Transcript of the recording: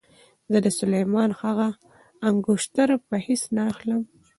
زه د سلیمان هغه انګشتره په هېڅ نه اخلم.